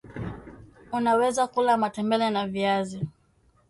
unaweza kula matembele na viazi